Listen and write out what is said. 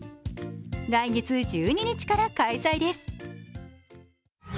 来月１２日から開催です。